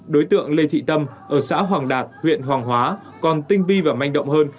đối tượng lê thị tâm ở xã hoàng đạt huyện hoàng hóa còn tinh vi và manh động hơn